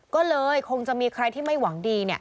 ก็เลยคงจะมีใครที่ไม่หวังดี